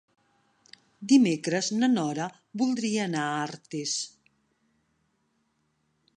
Dimecres na Nora voldria anar a Artés.